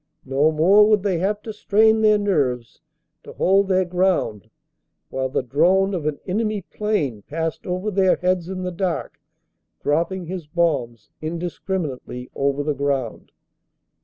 No more would they have to strain their nerves to hold their ground while the drone of an enemy plane passed over their heads in the dark, dropping his bombs indiscriminately over the ground."